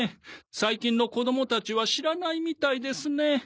最近の子どもたちは知らないみたいですね。